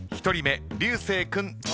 １人目流星君